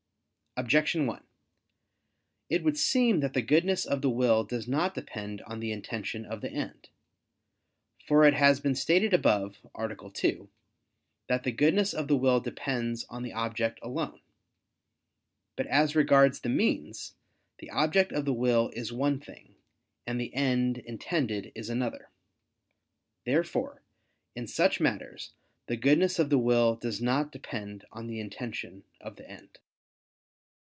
Objection 1: It would seem that the goodness of the will does not depend on the intention of the end. For it has been stated above (A. 2) that the goodness of the will depends on the object alone. But as regards the means, the object of the will is one thing, and the end intended is another. Therefore in such matters the goodness of the will does not depend on the intention of the end.